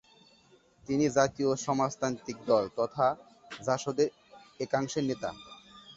তিনি জাতীয় সমাজতান্ত্রিক দল তথা জাসদের একাংশের নেতা।